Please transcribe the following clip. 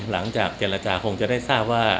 หลังจากเจรจาคงจะได้ทราบว่า